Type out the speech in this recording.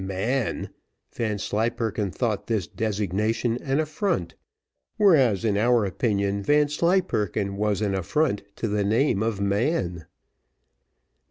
Man! Vanslyperken thought this designation an affront; whereas, in our opinion, Vanslyperken was an affront to the name of man.